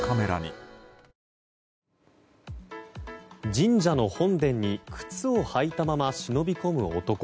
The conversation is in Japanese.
神社の本殿に靴を履いたまま忍び込む男。